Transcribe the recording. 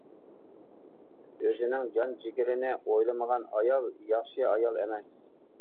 ئۆزىنىڭ جان جىگىرىنى ئويلىمىغان ئايال ياخشى ئايال ئەمەس.